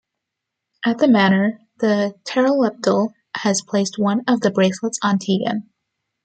At the manor, the Terileptil has placed one of the bracelets on Tegan.